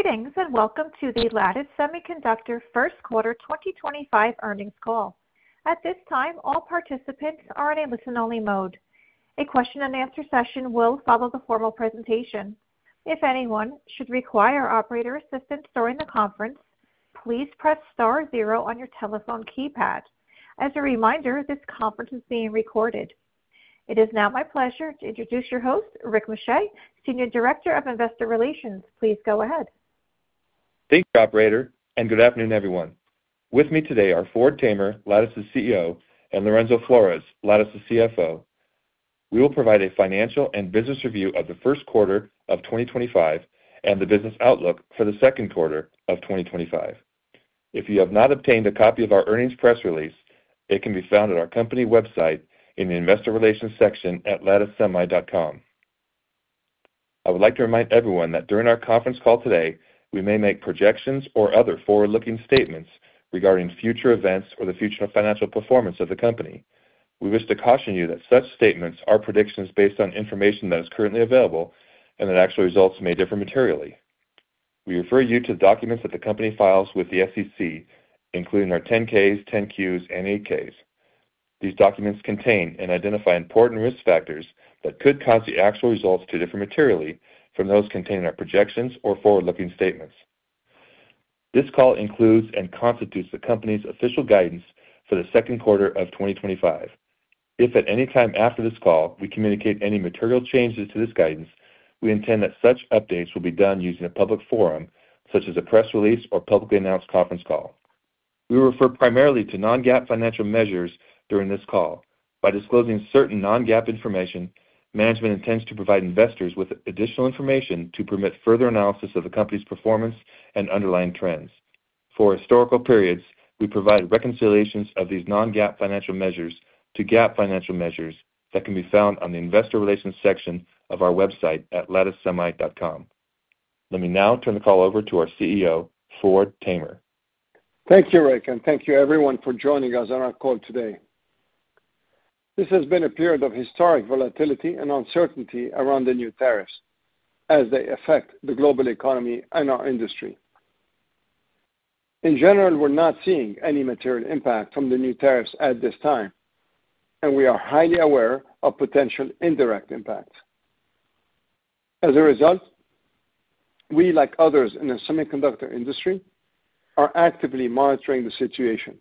Greetings and welcome to the Lattice Semiconductor First Quarter 2025 earnings call. At this time, all participants are in a listen-only mode. A question-and-answer session will follow the formal presentation. If anyone should require operator assistance during the conference, please press star zero on your telephone keypad. As a reminder, this conference is being recorded. It is now my pleasure to introduce your host, Rick Muscha, Senior Director of Investor Relations. Please go ahead. Thank you, Operator, and good afternoon, everyone. With me today are Ford Tamer, Lattice's CEO, and Lorenzo Flores, Lattice's CFO. We will provide a financial and business review of the first quarter of 2025 and the business outlook for the second quarter of 2025. If you have not obtained a copy of our earnings press release, it can be found at our company website in the Investor Relations section at latticesemi.com. I would like to remind everyone that during our conference call today, we may make projections or other forward-looking statements regarding future events or the future financial performance of the company. We wish to caution you that such statements are predictions based on information that is currently available and that actual results may differ materially. We refer you to the documents that the company files with the SEC, including our 10-Ks, 10-Qs, and 8-Ks. These documents contain and identify important risk factors that could cause the actual results to differ materially from those contained in our projections or forward-looking statements. This call includes and constitutes the company's official guidance for the second quarter of 2025. If at any time after this call we communicate any material changes to this guidance, we intend that such updates will be done using a public forum, such as a press release or publicly announced conference call. We refer primarily to non-GAAP financial measures during this call. By disclosing certain non-GAAP information, management intends to provide investors with additional information to permit further analysis of the company's performance and underlying trends. For historical periods, we provide reconciliations of these non-GAAP financial measures to GAAP financial measures that can be found on the Investor Relations section of our website at latticesemi.com. Let me now turn the call over to our CEO, Ford Tamer. Thank you, Rick, and thank you, everyone, for joining us on our call today. This has been a period of historic volatility and uncertainty around the new tariffs as they affect the global economy and our industry. In general, we're not seeing any material impact from the new tariffs at this time, and we are highly aware of potential indirect impacts. As a result, we, like others in the semiconductor industry, are actively monitoring the situation,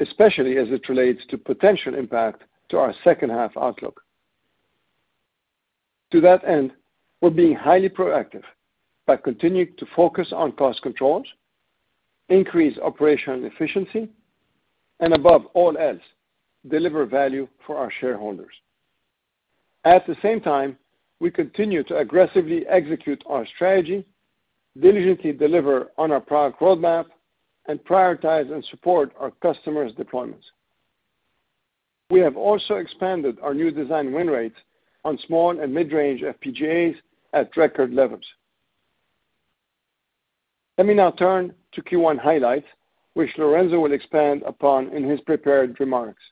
especially as it relates to potential impact to our second-half outlook. To that end, we're being highly proactive by continuing to focus on cost controls, increase operational efficiency, and above all else, deliver value for our shareholders. At the same time, we continue to aggressively execute our strategy, diligently deliver on our product roadmap, and prioritize and support our customers' deployments. We have also expanded our new design win rates on small and mid-range FPGAs at record levels. Let me now turn to Q1 highlights, which Lorenzo will expand upon in his prepared remarks.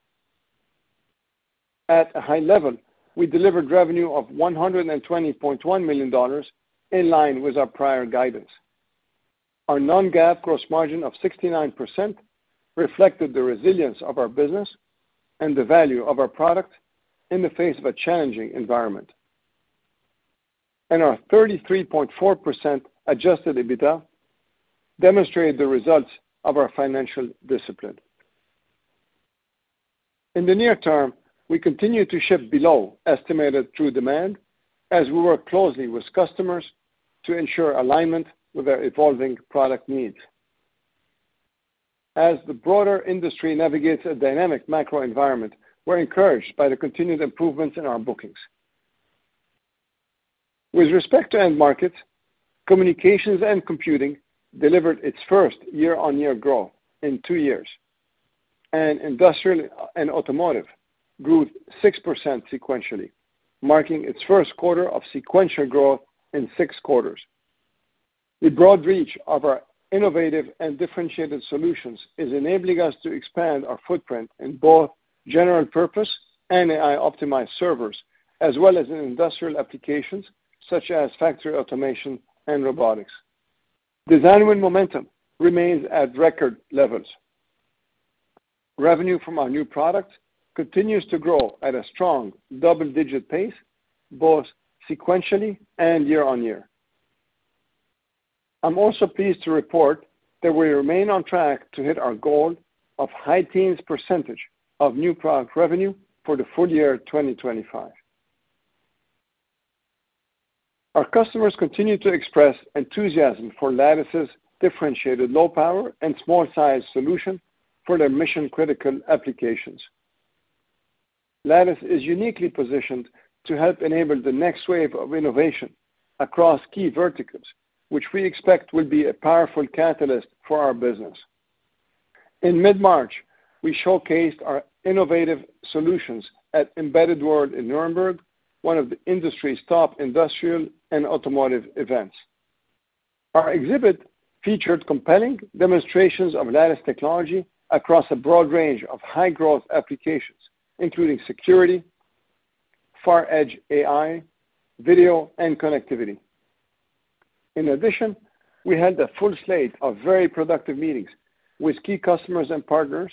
At a high level, we delivered revenue of $120.1 million in line with our prior guidance. Our non-GAAP gross margin of 69% reflected the resilience of our business and the value of our product in the face of a challenging environment. Our 33.4% adjusted EBITDA demonstrated the results of our financial discipline. In the near term, we continue to ship below estimated true demand as we work closely with customers to ensure alignment with our evolving product needs. As the broader industry navigates a dynamic macro environment, we're encouraged by the continued improvements in our bookings. With respect to end markets, communications and computing delivered its first year-on-year growth in two years, and industrial and automotive grew 6% sequentially, marking its first quarter of sequential growth in six quarters. The broad reach of our innovative and differentiated solutions is enabling us to expand our footprint in both general-purpose and AI-optimized servers, as well as in industrial applications such as factory automation and robotics. Design win momentum remains at record levels. Revenue from our new product continues to grow at a strong double-digit pace, both sequentially and year-on-year. I'm also pleased to report that we remain on track to hit our goal of high teens percentage of new product revenue for the full year 2025. Our customers continue to express enthusiasm for Lattice's differentiated low-power and small-sized solution for their mission-critical applications. Lattice is uniquely positioned to help enable the next wave of innovation across key verticals, which we expect will be a powerful catalyst for our business. In mid-March, we showcased our innovative solutions at Embedded World in Nuremberg, one of the industry's top industrial and automotive events. Our exhibit featured compelling demonstrations of Lattice technology across a broad range of high-growth applications, including security, far-edge AI, video, and connectivity. In addition, we had a full slate of very productive meetings with key customers and partners,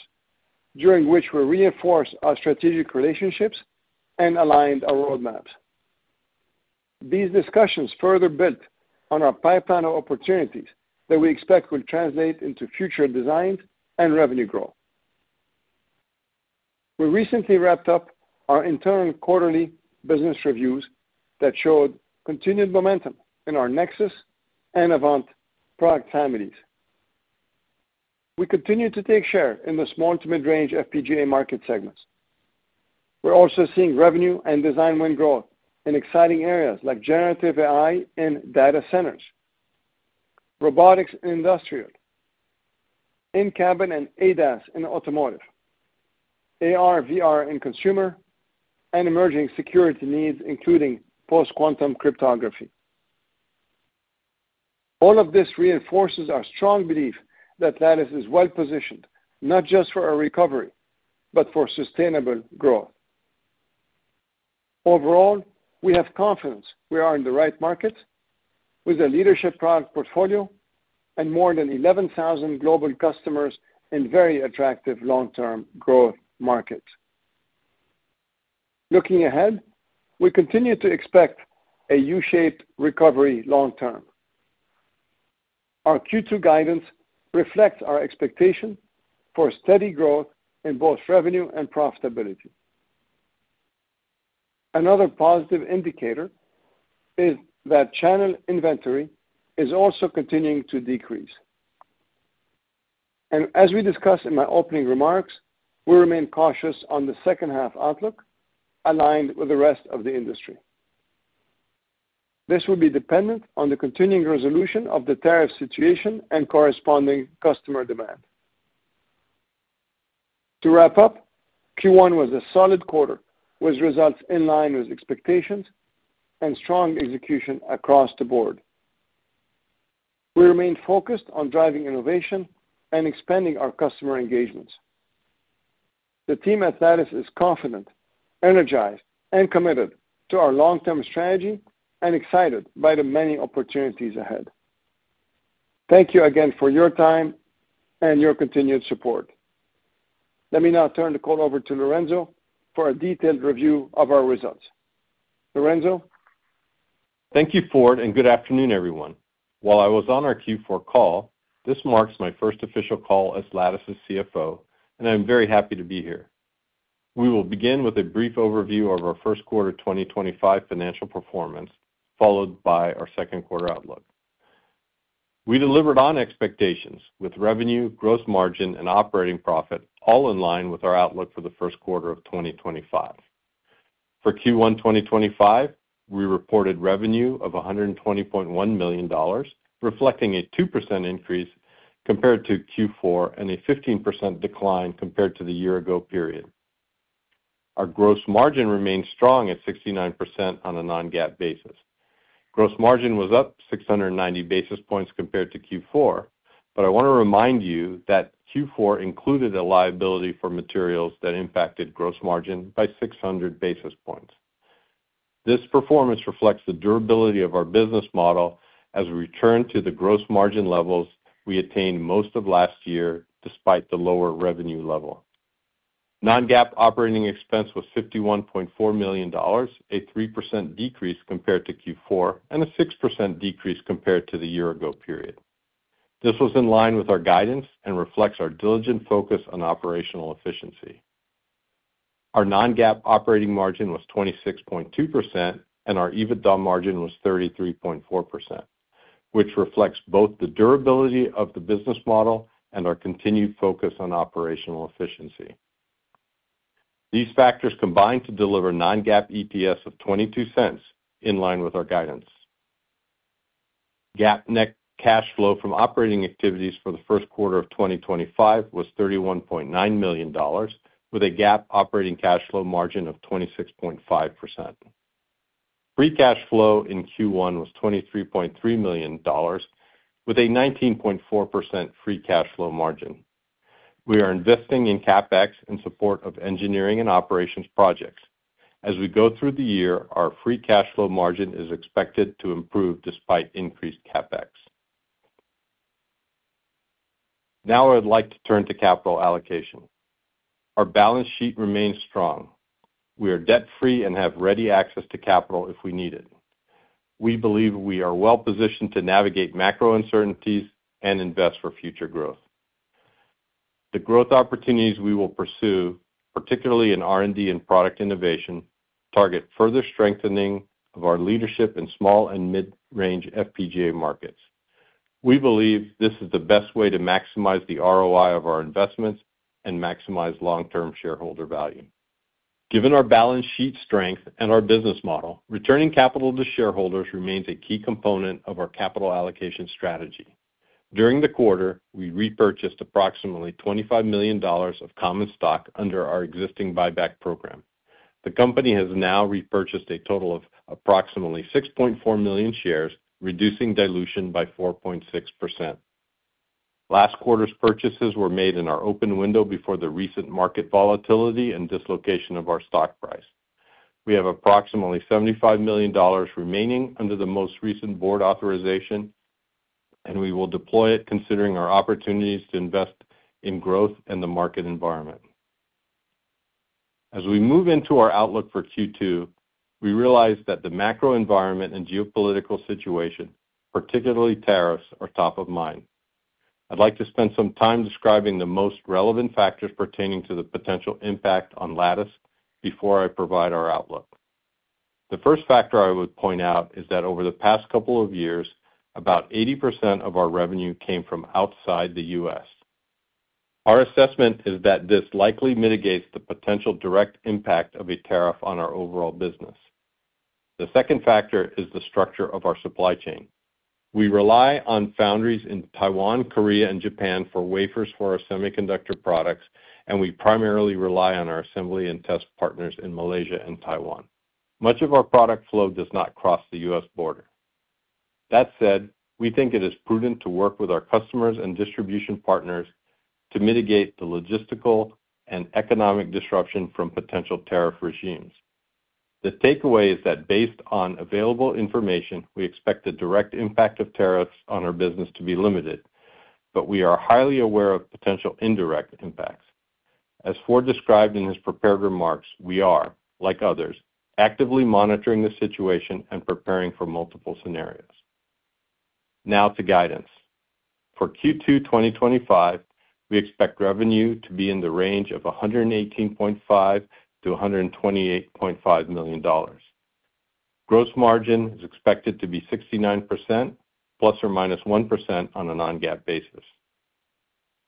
during which we reinforced our strategic relationships and aligned our roadmaps. These discussions further built on our pipeline of opportunities that we expect will translate into future designs and revenue growth. We recently wrapped up our internal quarterly business reviews that showed continued momentum in our Nexus and Avant product families. We continue to take share in the small to mid-range FPGA market segments. We're also seeing revenue and design win growth in exciting areas like generative AI in data centers, robotics and industrial, in-cabin and ADAS in automotive, AR/VR in consumer, and emerging security needs, including post-quantum cryptography. All of this reinforces our strong belief that Lattice is well-positioned, not just for a recovery, but for sustainable growth. Overall, we have confidence we are in the right markets with a leadership product portfolio and more than 11,000 global customers in very attractive long-term growth markets. Looking ahead, we continue to expect a U-shaped recovery long-term. Our Q2 guidance reflects our expectation for steady growth in both revenue and profitability. Another positive indicator is that channel inventory is also continuing to decrease. As we discussed in my opening remarks, we remain cautious on the second-half outlook aligned with the rest of the industry. This will be dependent on the continuing resolution of the tariff situation and corresponding customer demand. To wrap up, Q1 was a solid quarter with results in line with expectations and strong execution across the board. We remain focused on driving innovation and expanding our customer engagements. The team at Lattice is confident, energized, and committed to our long-term strategy and excited by the many opportunities ahead. Thank you again for your time and your continued support. Let me now turn the call over to Lorenzo for a detailed review of our results. Lorenzo. Thank you, Ford, and good afternoon, everyone. While I was on our Q4 call, this marks my first official call as Lattice's CFO, and I'm very happy to be here. We will begin with a brief overview of our first quarter 2025 financial performance, followed by our second quarter outlook. We delivered on expectations with revenue, gross margin, and operating profit, all in line with our outlook for the first quarter of 2025. For Q1 2025, we reported revenue of $120.1 million, reflecting a 2% increase compared to Q4 and a 15% decline compared to the year-ago period. Our gross margin remained strong at 69% on a non-GAAP basis. Gross margin was up 690 basis points compared to Q4, but I want to remind you that Q4 included a liability for materials that impacted gross margin by 600 basis points. This performance reflects the durability of our business model as we return to the gross margin levels we attained most of last year, despite the lower revenue level. Non-GAAP operating expense was $51.4 million, a 3% decrease compared to Q4 and a 6% decrease compared to the year-ago period. This was in line with our guidance and reflects our diligent focus on operational efficiency. Our non-GAAP operating margin was 26.2%, and our EBITDA margin was 33.4%, which reflects both the durability of the business model and our continued focus on operational efficiency. These factors combined to deliver non-GAAP EPS of $0.22, in line with our guidance. GAAP net cash flow from operating activities for the first quarter of 2025 was $31.9 million, with a GAAP operating cash flow margin of 26.5%. Free cash flow in Q1 was $23.3 million, with a 19.4% free cash flow margin. We are investing in CapEx in support of engineering and operations projects. As we go through the year, our free cash flow margin is expected to improve despite increased CapEx. Now, I would like to turn to capital allocation. Our balance sheet remains strong. We are debt-free and have ready access to capital if we need it. We believe we are well-positioned to navigate macro uncertainties and invest for future growth. The growth opportunities we will pursue, particularly in R&D and product innovation, target further strengthening of our leadership in small and mid-range FPGA markets. We believe this is the best way to maximize the ROI of our investments and maximize long-term shareholder value. Given our balance sheet strength and our business model, returning capital to shareholders remains a key component of our capital allocation strategy. During the quarter, we repurchased approximately $25 million of common stock under our existing buyback program. The company has now repurchased a total of approximately 6.4 million shares, reducing dilution by 4.6%. Last quarter's purchases were made in our open window before the recent market volatility and dislocation of our stock price. We have approximately $75 million remaining under the most recent board authorization, and we will deploy it considering our opportunities to invest in growth and the market environment. As we move into our outlook for Q2, we realize that the macro environment and geopolitical situation, particularly tariffs, are top of mind. I'd like to spend some time describing the most relevant factors pertaining to the potential impact on Lattice before I provide our outlook. The first factor I would point out is that over the past couple of years, about 80% of our revenue came from outside the U.S. Our assessment is that this likely mitigates the potential direct impact of a tariff on our overall business. The second factor is the structure of our supply chain. We rely on foundries in Taiwan, Korea, and Japan for wafers for our semiconductor products, and we primarily rely on our assembly and test partners in Malaysia and Taiwan. Much of our product flow does not cross the U.S. border. That said, we think it is prudent to work with our customers and distribution partners to mitigate the logistical and economic disruption from potential tariff regimes. The takeaway is that based on available information, we expect the direct impact of tariffs on our business to be limited, but we are highly aware of potential indirect impacts. As Ford described in his prepared remarks, we are, like others, actively monitoring the situation and preparing for multiple scenarios. Now to guidance. For Q2 2025, we expect revenue to be in the range of $118.5-$128.5 million. Gross margin is expected to be 69%, ± 1% on a non-GAAP basis.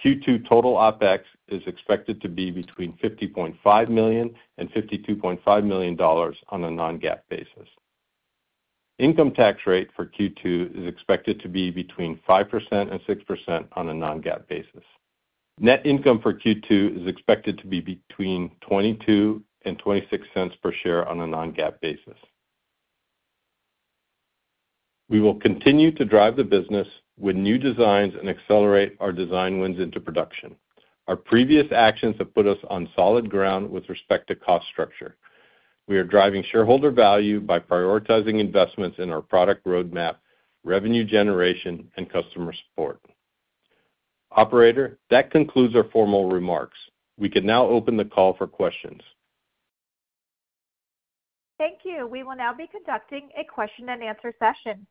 Q2 total OpEx is expected to be between $50.5 million and $52.5 million on a non-GAAP basis. Income tax rate for Q2 is expected to be between 5% and 6% on a non-GAAP basis. Net income for Q2 is expected to be between $0.22 and $0.26 per share on a non-GAAP basis. We will continue to drive the business with new designs and accelerate our design wins into production. Our previous actions have put us on solid ground with respect to cost structure. We are driving shareholder value by prioritizing investments in our product roadmap, revenue generation, and customer support. Operator, that concludes our formal remarks. We can now open the call for questions. Thank you. We will now be conducting a question-and-answer session.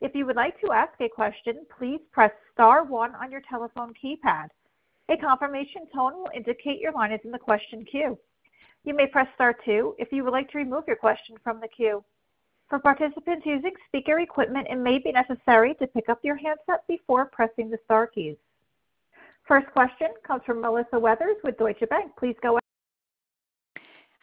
If you would like to ask a question, please press star one on your telephone keypad. A confirmation tone will indicate your line is in the question queue. You may press star two if you would like to remove your question from the queue. For participants using speaker equipment, it may be necessary to pick up your handset before pressing the star keys. First question comes from Melissa Weathers with Deutsche Bank. Please go ahead.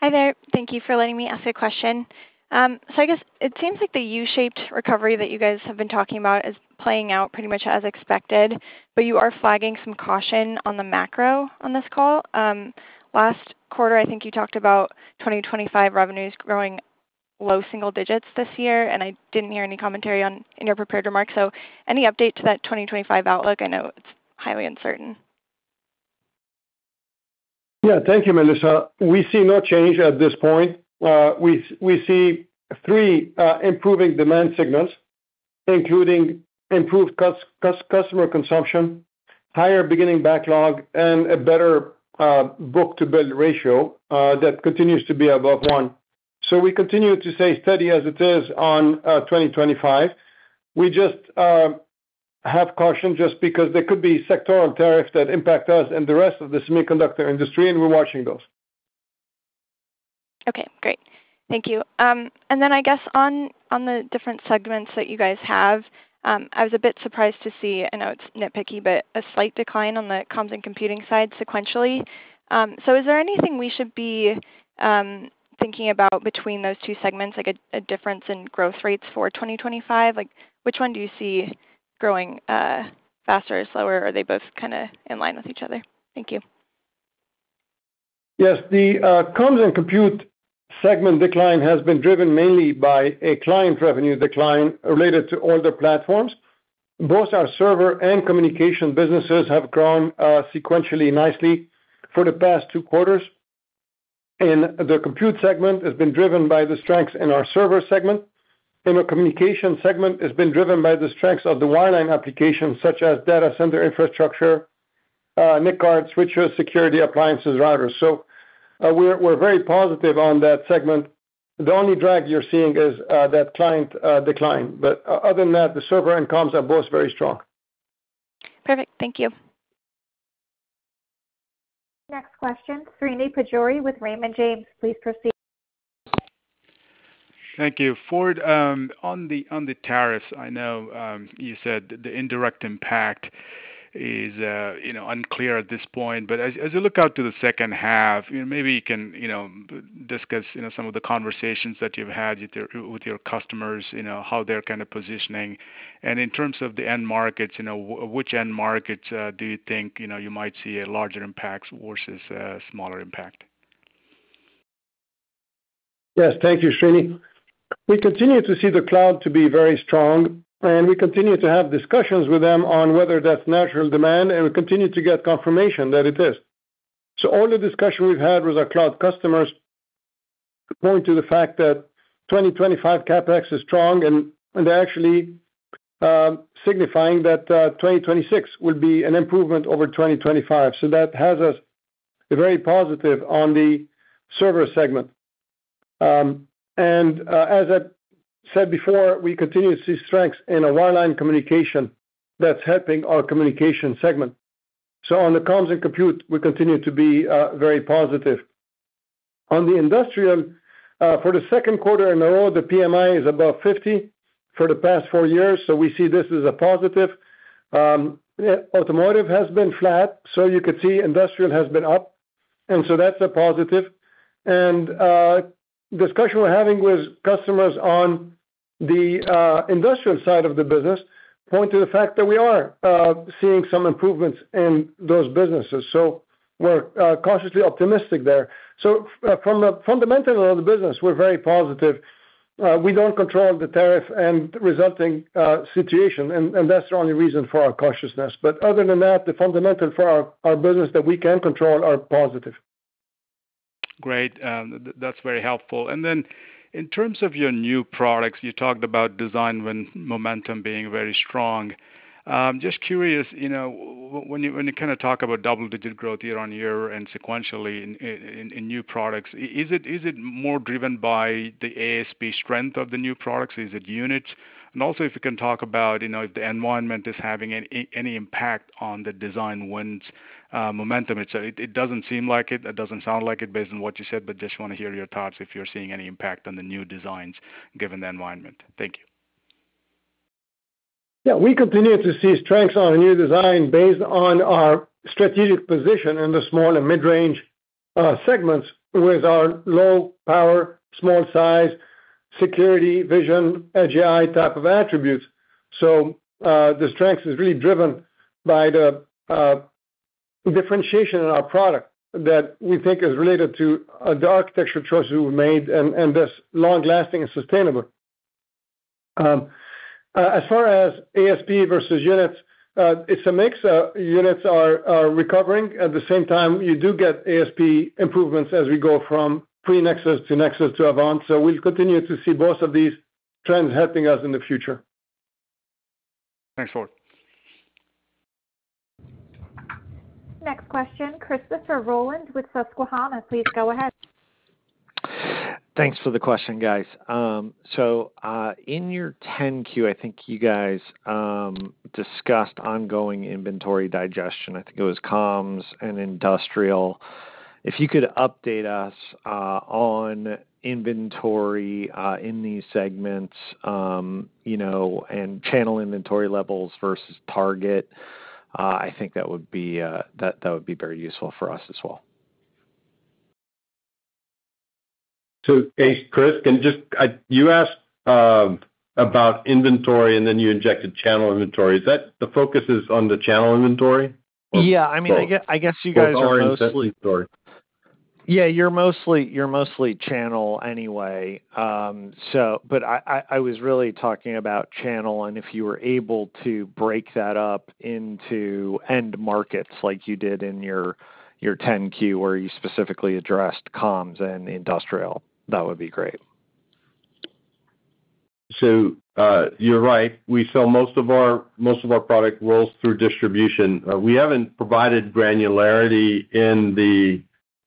Hi there. Thank you for letting me ask a question. I guess it seems like the U-shaped recovery that you guys have been talking about is playing out pretty much as expected, but you are flagging some caution on the macro on this call. Last quarter, I think you talked about 2025 revenues growing low single digits this year, and I did not hear any commentary in your prepared remarks. Any update to that 2025 outlook? I know it is highly uncertain. Yeah, thank you, Melissa. We see no change at this point. We see three improving demand signals, including improved customer consumption, higher beginning backlog, and a better book-to-bill ratio that continues to be above one. We continue to stay steady as it is on 2025. We just have caution just because there could be sectoral tariffs that impact us and the rest of the semiconductor industry, and we're watching those. Okay, great. Thank you. I guess on the different segments that you guys have, I was a bit surprised to see, I know it's nitpicky, but a slight decline on the comms and computing side sequentially. Is there anything we should be thinking about between those two segments, like a difference in growth rates for 2025? Which one do you see growing faster or slower, or are they both kind of in line with each other? Thank you. Yes, the comms and compute segment decline has been driven mainly by a Client revenue decline related to older platforms. Both our server and communication businesses have grown sequentially nicely for the past two quarters. The compute segment has been driven by the strengths in our server segment. The communication segment has been driven by the strengths of the wireline applications, such as data center infrastructure, NIC cards, switches, security appliances, routers. We are very positive on that segment. The only drag you are seeing is that Client decline. Other than that, the server and comms are both very strong. Perfect. Thank you. Next question, Srini Pajjuri with Raymond James. Please proceed. Thank you. Ford, on the tariffs, I know you said the indirect impact is unclear at this point. As you look out to the second half, maybe you can discuss some of the conversations that you've had with your customers, how they're kind of positioning. In terms of the end markets, which end markets do you think you might see a larger impact versus a smaller impact? Yes, thank you, Srini. We continue to see the cloud to be very strong, and we continue to have discussions with them on whether that's natural demand, and we continue to get confirmation that it is. All the discussion we've had with our cloud customers points to the fact that 2025 CapEx is strong, and they're actually signifying that 2026 will be an improvement over 2025. That has us very positive on the server segment. As I said before, we continue to see strengths in our wireline communication that's helping our communication segment. On the comms and compute, we continue to be very positive. On the industrial, for the second quarter in a row, the PMI is above 50 for the past four years, so we see this as a positive. Automotive has been flat, you could see industrial has been up, and that's a positive. Discussion we're having with customers on the industrial side of the business points to the fact that we are seeing some improvements in those businesses. We're cautiously optimistic there. From the fundamentals of the business, we're very positive. We don't control the tariff and resulting situation, and that's the only reason for our cautiousness. Other than that, the fundamentals for our business that we can control are positive. Great. That's very helpful. In terms of your new products, you talked about design momentum being very strong. Just curious, when you kind of talk about double-digit growth year on year and sequentially in new products, is it more driven by the ASP strength of the new products? Is it units? Also, if you can talk about if the environment is having any impact on the design wins momentum. It doesn't seem like it. It doesn't sound like it based on what you said, but just want to hear your thoughts if you're seeing any impact on the new designs given the environment. Thank you. Yeah, we continue to see strengths on new design based on our strategic position in the small and mid-range segments with our low power, small size, security, vision, edge AI type of attributes. The strength is really driven by the differentiation in our product that we think is related to the architecture choices we've made and this is long-lasting and sustainable. As far as ASP versus units, it's a mix. Units are recovering. At the same time, you do get ASP improvements as we go from pre-Nexus to Nexus to Avant. We will continue to see both of these trends helping us in the future. Thanks, Ford. Next question, Christopher Rolland with Susquehanna. Please go ahead. Thanks for the question, guys. In your 10Q, I think you guys discussed ongoing inventory digestion. I think it was comms and industrial. If you could update us on inventory in these segments and channel inventory levels versus target, I think that would be very useful for us as well. Hey, Chris, you asked about inventory, and then you injected channel inventory. Is that the focus is on the channel inventory? Yeah, I mean, I guess you guys are mostly. Or inventory? Yeah, you're mostly channel anyway. I was really talking about channel, and if you were able to break that up into end markets like you did in your 10Q, where you specifically addressed comms and industrial, that would be great. You're right. We sell most of our product roles through distribution. We haven't provided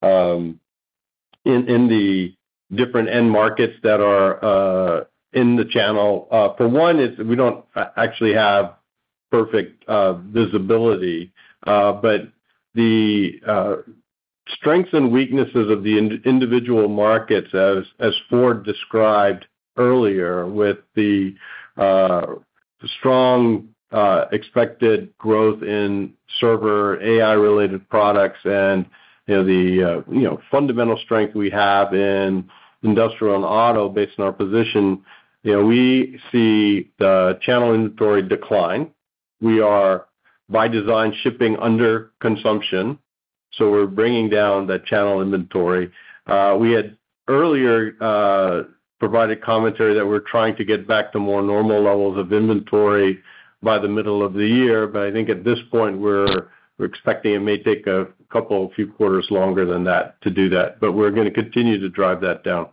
granularity in the different end markets that are in the channel. For one, we don't actually have perfect visibility. The strengths and weaknesses of the individual markets, as Ford described earlier, with the strong expected growth in server AI-related products and the fundamental strength we have in industrial and auto based on our position, we see the channel inventory decline. We are, by design, shipping under consumption, so we're bringing down that channel inventory. We had earlier provided commentary that we're trying to get back to more normal levels of inventory by the middle of the year. I think at this point, we're expecting it may take a couple, few quarters longer than that to do that. We're going to continue to drive that down.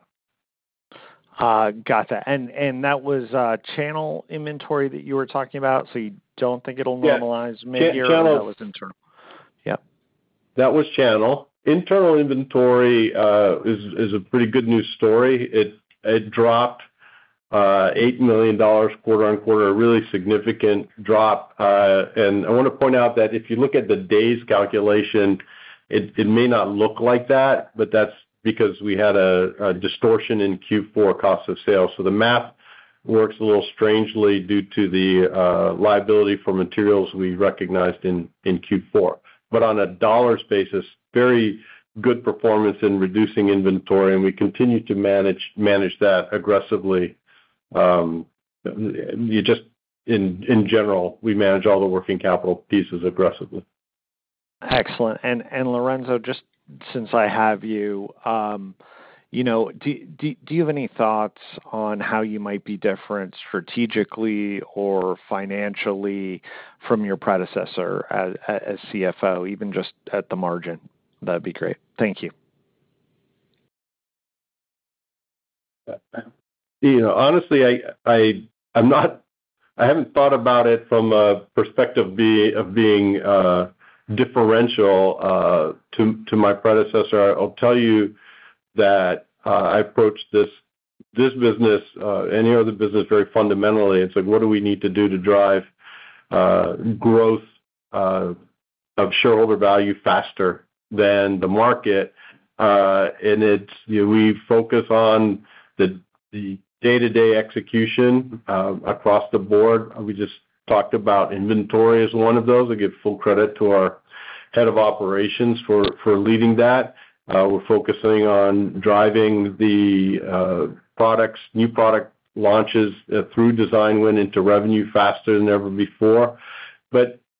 Gotcha. That was channel inventory that you were talking about? You do not think it will normalize mid-year, or that was internal? Yeah. That was channel. Internal inventory is a pretty good news story. It dropped $8 million quarter-on-quarter, a really significant drop. I want to point out that if you look at the days calculation, it may not look like that, but that's because we had a distortion in Q4 cost of sale. The math works a little strangely due to the liability for materials we recognized in Q4. On a dollars basis, very good performance in reducing inventory, and we continue to manage that aggressively. Just in general, we manage all the working capital pieces aggressively. Excellent. Lorenzo, just since I have you, do you have any thoughts on how you might be different strategically or financially from your predecessor as CFO, even just at the margin? That'd be great. Thank you. Honestly, I haven't thought about it from a perspective of being differential to my predecessor. I'll tell you that I approached this business and any other business very fundamentally. It's like, what do we need to do to drive growth of shareholder value faster than the market? We focus on the day-to-day execution across the board. We just talked about inventory as one of those. I give full credit to our Head of Operations for leading that. We're focusing on driving the new product launches through design win into revenue faster than ever before.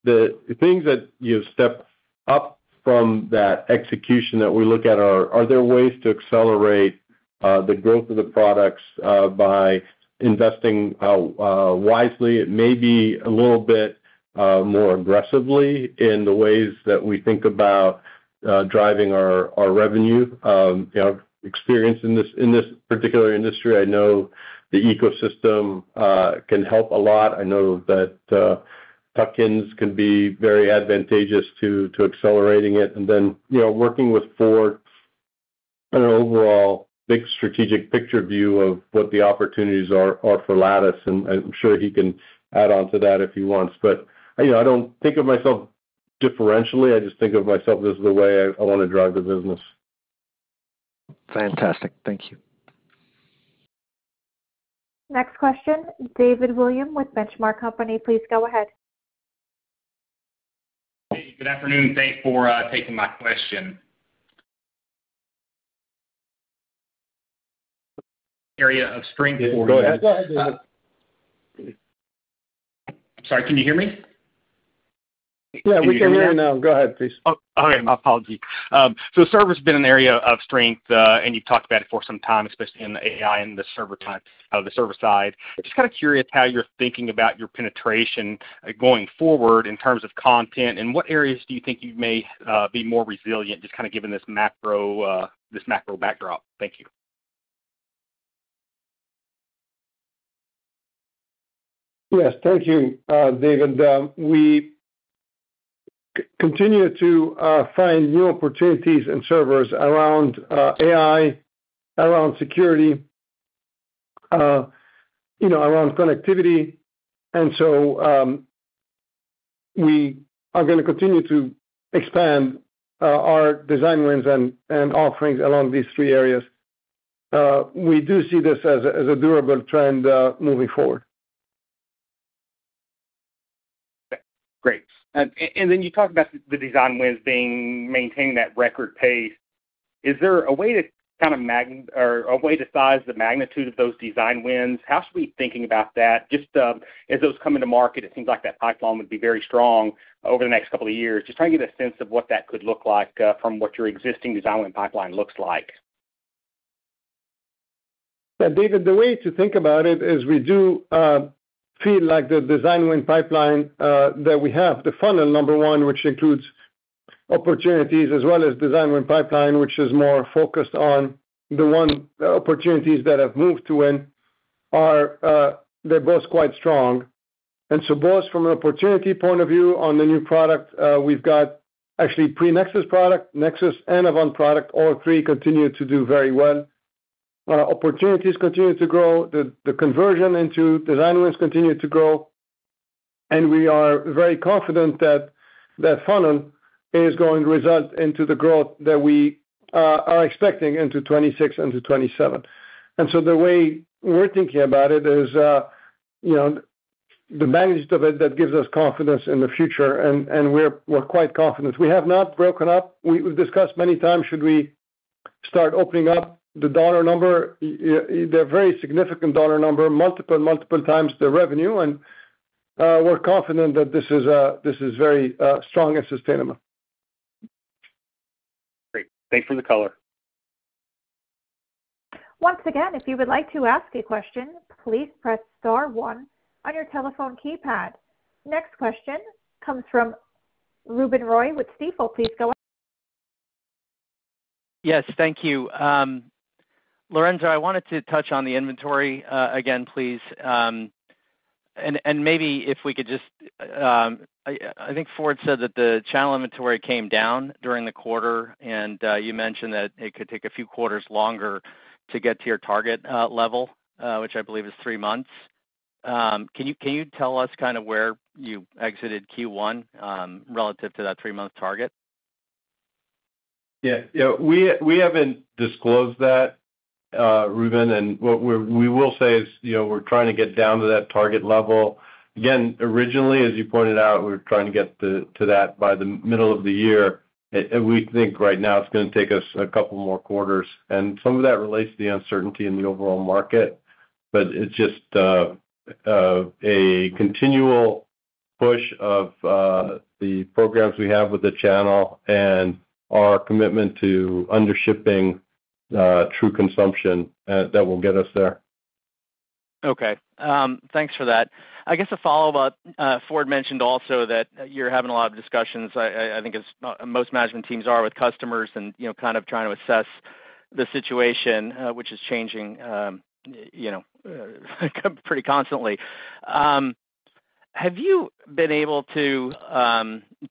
The things that you have stepped up from that execution that we look at are, are there ways to accelerate the growth of the products by investing wisely? It may be a little bit more aggressively in the ways that we think about driving our revenue. Experience in this particular industry, I know the ecosystem can help a lot. I know that tuck-ins can be very advantageous to accelerating it. Working with Ford, an overall big strategic picture view of what the opportunities are for Lattice. I am sure he can add on to that if he wants. I do not think of myself differentially. I just think of myself as the way I want to drive the business. Fantastic. Thank you. Next question, David Williams with Benchmark Company. Please go ahead. Hey, good afternoon. Thanks for taking my question. Area of strength for you. Go ahead. Sorry, can you hear me? Yeah, we can hear you now. Go ahead, please. Apologies. Server's been an area of strength, and you've talked about it for some time, especially in the AI and the server side. Just kind of curious how you're thinking about your penetration going forward in terms of content, and what areas do you think you may be more resilient, just kind of given this macro backdrop? Thank you. Yes, thank you, David. We continue to find new opportunities in servers around AI, around security, around connectivity. We are going to continue to expand our design wins and offerings along these three areas. We do see this as a durable trend moving forward. Great. You talked about the design wins being maintaining that record pace. Is there a way to kind of or a way to size the magnitude of those design wins? How should we be thinking about that? Just as those come into market, it seems like that pipeline would be very strong over the next couple of years. Just trying to get a sense of what that could look like from what your existing design win pipeline looks like. Yeah, David, the way to think about it is we do feel like the design win pipeline that we have, the funnel, number one, which includes opportunities, as well as design win pipeline, which is more focused on the opportunities that have moved to win, they're both quite strong. Both from an opportunity point of view on the new product, we've got actually pre-Nexus product, Nexus, and Avant product, all three continue to do very well. Opportunities continue to grow. The conversion into design wins continues to grow. We are very confident that that funnel is going to result into the growth that we are expecting into 2026 and to 2027. The way we're thinking about it is the magnitude of it that gives us confidence in the future, and we're quite confident. We have not broken up. We've discussed many times, should we start opening up the dollar number? They're a very significant dollar number, multiple and multiple times the revenue. And we're confident that this is very strong and sustainable. Great. Thanks for the color. Once again, if you would like to ask a question, please press star one on your telephone keypad. Next question comes from Ruben Roy with Stifel. Please go ahead. Yes, thank you. Lorenzo, I wanted to touch on the inventory again, please. Maybe if we could just, I think Ford said that the channel inventory came down during the quarter, and you mentioned that it could take a few quarters longer to get to your target level, which I believe is three months. Can you tell us kind of where you exited Q1 relative to that three-month target? Yeah. We haven't disclosed that, Ruben. What we will say is we're trying to get down to that target level. Again, originally, as you pointed out, we were trying to get to that by the middle of the year. We think right now it's going to take us a couple more quarters. Some of that relates to the uncertainty in the overall market, but it's just a continual push of the programs we have with the channel and our commitment to undershipping true consumption that will get us there. Okay. Thanks for that. I guess a follow-up, Ford mentioned also that you're having a lot of discussions, I think as most management teams are with customers and kind of trying to assess the situation, which is changing pretty constantly. Have you been able to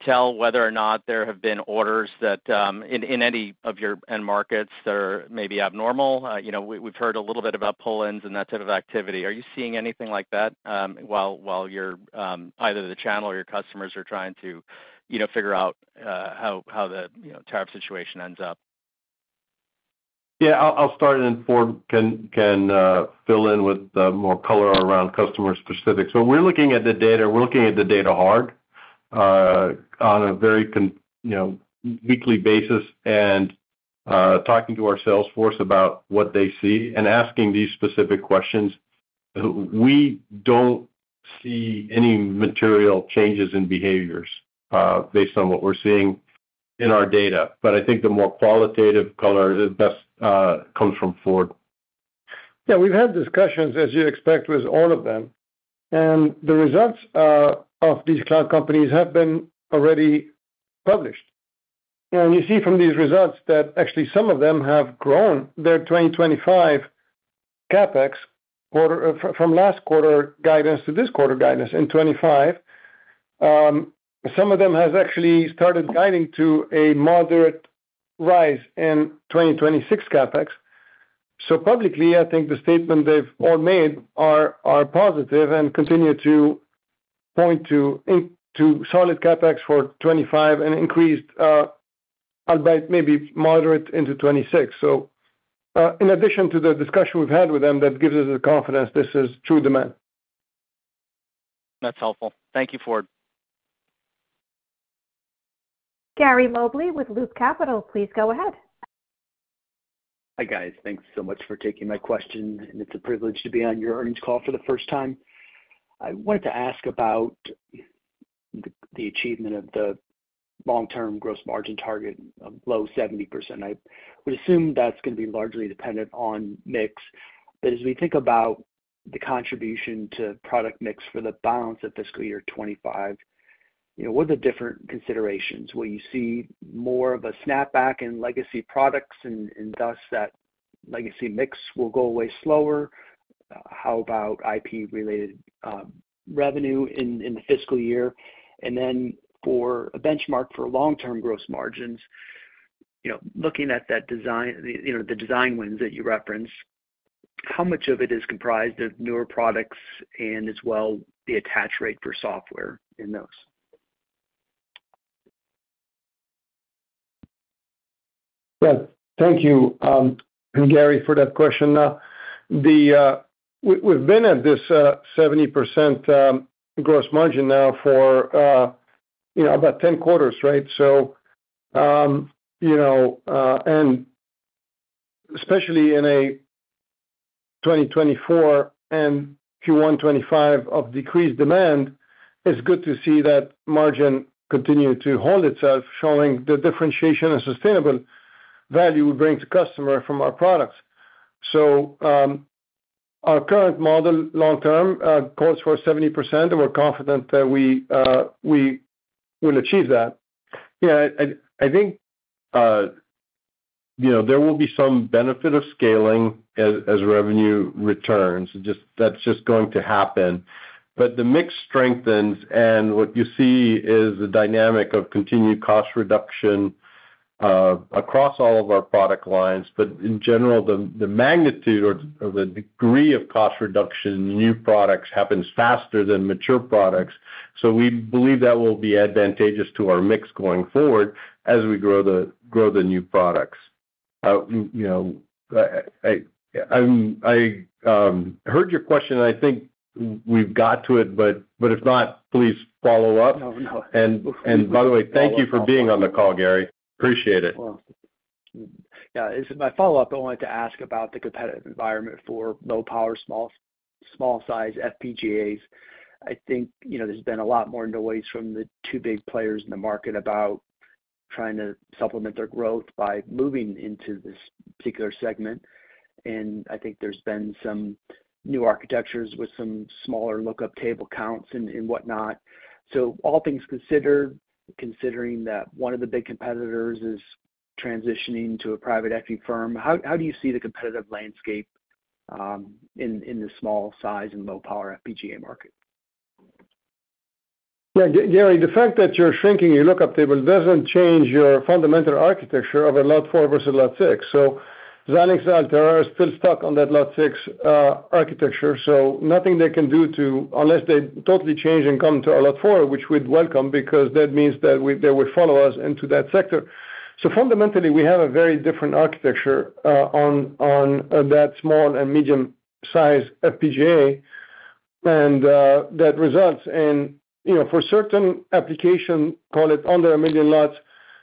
tell whether or not there have been orders that in any of your end markets that are maybe abnormal? We've heard a little bit about pull-ins and that type of activity. Are you seeing anything like that while either the channel or your customers are trying to figure out how the tariff situation ends up? Yeah. I'll start, and Ford can fill in with more color around customer specifics. When we're looking at the data, we're looking at the data hard on a very weekly basis and talking to our salesforce about what they see and asking these specific questions. We don't see any material changes in behaviors based on what we're seeing in our data. I think the more qualitative color comes from Ford. Yeah. We've had discussions, as you expect, with all of them. The results of these cloud companies have been already published. You see from these results that actually some of them have grown their 2025 CapEx from last quarter guidance to this quarter guidance in 2025. Some of them have actually started guiding to a moderate rise in 2026 CapEx. Publicly, I think the statement they've all made are positive and continue to point to solid CapEx for 2025 and increased by maybe moderate into 2026. In addition to the discussion we've had with them, that gives us the confidence this is true demand. That's helpful. Thank you, Ford. Gary Mobley with Loop Capital. Please go ahead. Hi, guys. Thanks so much for taking my question. It's a privilege to be on your earnings call for the first time. I wanted to ask about the achievement of the long-term gross margin target of low 70%. I would assume that's going to be largely dependent on mix. As we think about the contribution to product mix for the balance of fiscal year 2025, what are the different considerations? Will you see more of a snapback in legacy products and thus that legacy mix will go away slower? How about IP-related revenue in the fiscal year? For a benchmark for long-term gross margins, looking at the design wins that you referenced, how much of it is comprised of newer products and as well the attach rate for software in those? Thank you, Gary, for that question. We've been at this 70% gross margin now for about 10 quarters, right? Especially in a 2024 and Q1 2025 of decreased demand, it's good to see that margin continue to hold itself, showing the differentiation and sustainable value we bring to customers from our products. Our current model long-term calls for 70%, and we're confident that we will achieve that. Yeah. I think there will be some benefit of scaling as revenue returns. That is just going to happen. The mix strengthens, and what you see is the dynamic of continued cost reduction across all of our product lines. In general, the magnitude or the degree of cost reduction in new products happens faster than mature products. We believe that will be advantageous to our mix going forward as we grow the new products. I heard your question. I think we have got to it, but if not, please follow up. By the way, thank you for being on the call, Gary. Appreciate it. Yeah. This is my follow-up. I wanted to ask about the competitive environment for low-power, small-sized FPGAs. I think there's been a lot more noise from the two big players in the market about trying to supplement their growth by moving into this particular segment. I think there's been some new architectures with some smaller lookup table counts and whatnot. All things considered, considering that one of the big competitors is transitioning to a private equity firm, how do you see the competitive landscape in the small-sized and low-power FPGA market? Yeah. Gary, the fact that you're shrinking your lookup table doesn't change your fundamental architecture of a LUT4 versus LUT6. So Xilinx and Altera are still stuck on that LUT6 architecture. Nothing they can do unless they totally change and come to a LUT4, which we'd welcome because that means that they would follow us into that sector. Fundamentally, we have a very different architecture on that small and medium-sized FPGA. That results in, for certain applications, call it under a million LUTs,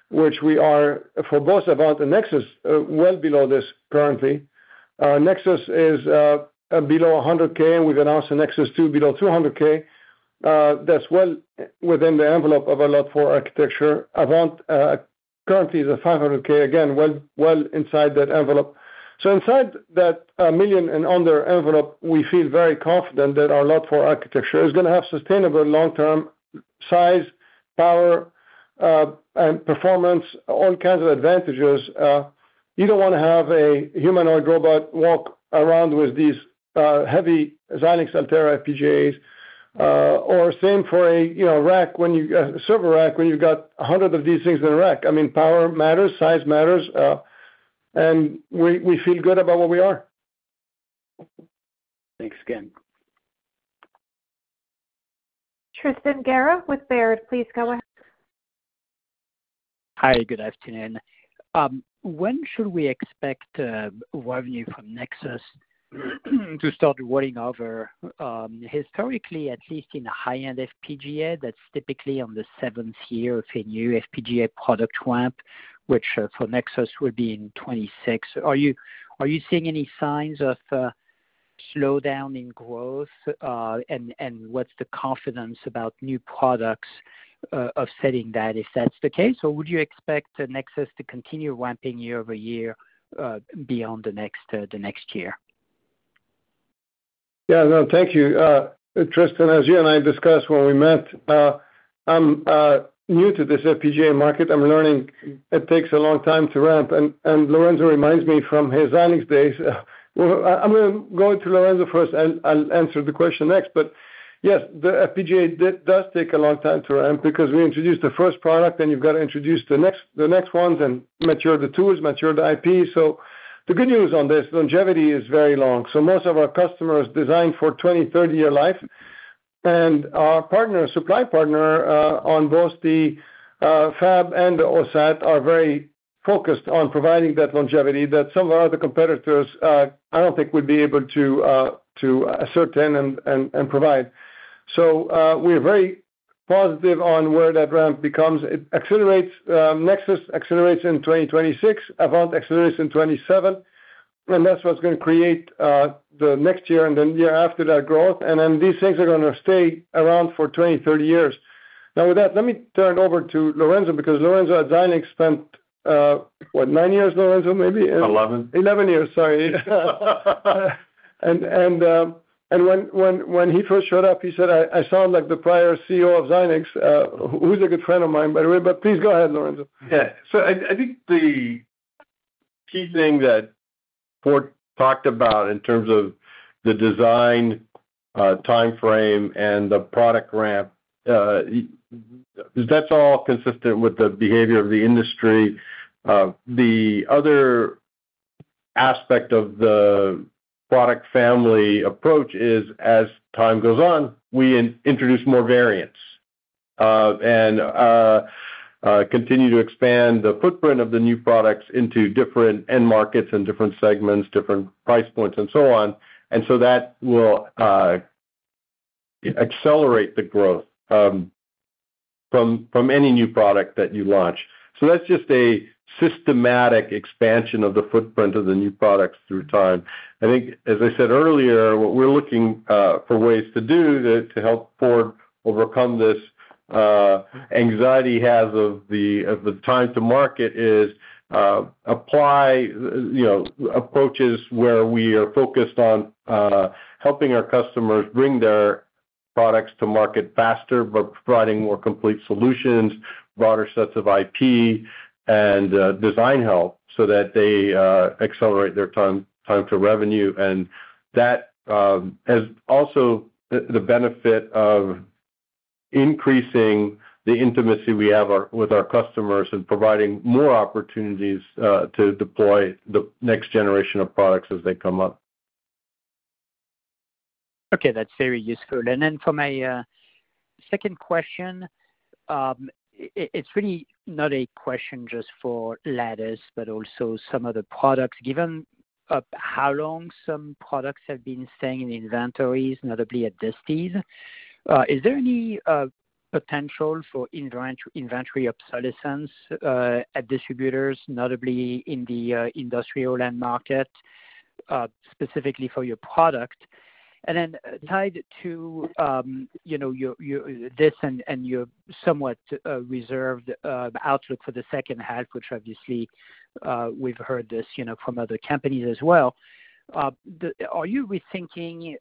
which we are for both Avant and Nexus well below this currently. Nexus is below 100K. We've announced a Nexus 2 below 200K. That's well within the envelope of a LUT4 architecture. Avant currently is at 500K, again, well inside that envelope. Inside that million and under envelope, we feel very confident that our LUT4 architecture is going to have sustainable long-term size, power, and performance, all kinds of advantages. You do not want to have a humanoid robot walk around with these heavy Xilinx Altera FPGAs. Or same for a server rack when you have 100 of these things in a rack. I mean, power matters, size matters. And we feel good about where we are. Thanks again. Tristan Gerra with Baird, please go ahead. Hi. Good afternoon. When should we expect revenue from Nexus to start rolling over? Historically, at least in a high-end FPGA, that's typically on the seventh year of a new FPGA product ramp, which for Nexus would be in 2026. Are you seeing any signs of slowdown in growth? What's the confidence about new products offsetting that if that's the case? Would you expect Nexus to continue ramping year over year beyond the next year? Yeah. No, thank you. Tristan, as you and I discussed when we met, I'm new to this FPGA market. I'm learning it takes a long time to ramp. Lorenzo reminds me from his Xilinx days. I'm going to go to Lorenzo first. I'll answer the question next. Yes, the FPGA does take a long time to ramp because we introduced the first product, then you've got to introduce the next ones and mature the tools, mature the IP. The good news on this, longevity is very long. Most of our customers designed for 20, 30-year life. Our supply partner on both the fab and the OSAT are very focused on providing that longevity that some of our other competitors, I don't think, would be able to ascertain and provide. We're very positive on where that ramp becomes. Nexus accelerates in 2026. Avant accelerates in 2027. That is what is going to create the next year and then year after that growth. These things are going to stay around for 20-30 years. Now, with that, let me turn it over to Lorenzo because Lorenzo at Xilinx spent, what, nine years, Lorenzo, maybe? 11. 11 years, sorry. When he first showed up, he said, "I sound like the prior CEO of Xilinx, who's a good friend of mine, by the way. Please go ahead, Lorenzo. Yeah. I think the key thing that Ford talked about in terms of the design timeframe and the product ramp, that's all consistent with the behavior of the industry. The other aspect of the product family approach is, as time goes on, we introduce more variants and continue to expand the footprint of the new products into different end markets and different segments, different price points, and so on. That will accelerate the growth from any new product that you launch. That's just a systematic expansion of the footprint of the new products through time. I think, as I said earlier, what we're looking for ways to do to help Ford overcome this anxiety he has of the time to market is apply approaches where we are focused on helping our customers bring their products to market faster by providing more complete solutions, broader sets of IP, and design help so that they accelerate their time to revenue. That has also the benefit of increasing the intimacy we have with our customers and providing more opportunities to deploy the next generation of products as they come up. Okay. That's very useful. For my second question, it's really not a question just for Lattice, but also some of the products. Given how long some products have been staying in inventories, notably at this stage, is there any potential for inventory obsolescence at distributors, notably in the industrial end market, specifically for your product? Tied to this and your somewhat reserved outlook for the second half, which obviously we've heard this from other companies as well, are you rethinking